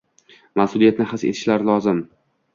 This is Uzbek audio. mas’uliyatni his etishlari lozim.